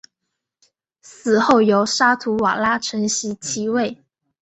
死后由沙图瓦拉承袭其位。